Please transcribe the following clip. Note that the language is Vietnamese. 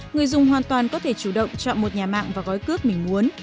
người dùng hoàn toàn có thể chủ động chọn một nhà mạng và gói cước mình muốn